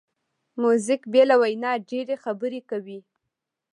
موزیک بې له وینا ډېری خبرې کوي.